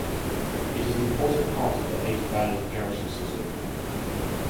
It is an important part of the Eight Banners garrison system.